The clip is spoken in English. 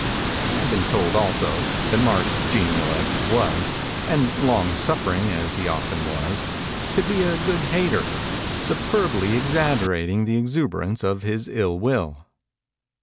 I had been told also that Mark genial as he was, and long suffering as he often was, could be a good hater, superbly exaggerat ing the exuberance of his ill will.